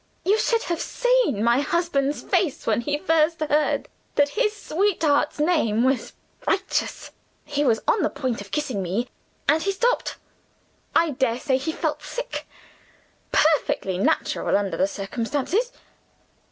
You should have seen my husband's face when he first heard that his sweetheart's name was 'Righteous'! He was on the point of kissing me, and he stopped. I daresay he felt sick. Perfectly natural under the circumstances."